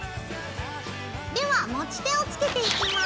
では持ち手をつけていきます。